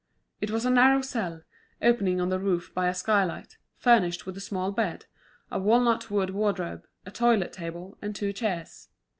It was a narrow cell, opening on the roof by a skylight, furnished with a small bed, a walnut wood wardrobe, a toilet table, and two chairs.